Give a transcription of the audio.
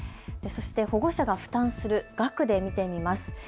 そして保護者が負担する額で見てみます。